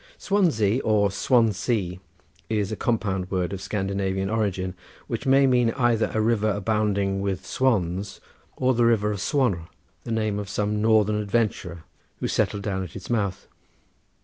Swansea or Swansey is a compound word of Scandinavian origin, which may mean either a river abounding with swans, or the river of Swanr, the name of some northern adventurer who settled down at its mouth.